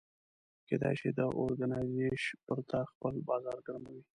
کېدای شي دا اورګنایزیش پر تا خپل بازار ګرموي.